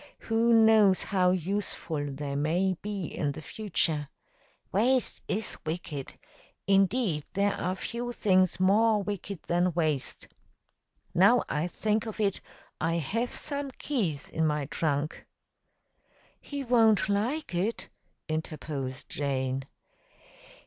Who knows how useful they may be in the future! Waste is wicked. Indeed, there are few things more wicked than waste. Now I think of it, I have some keys in my trunk." "He won't like it," interposed Jane.